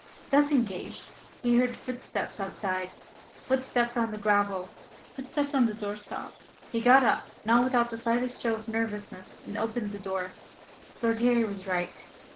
Thus engaged, he heard footsteps outside, footsteps on the gravel, footsteps on the doorstop. He got up, not without the slightest show of nervousness, and opened the door. Lord Harry was right.